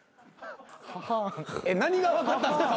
何が分かったんすか？